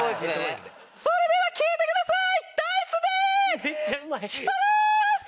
それでは聴いてください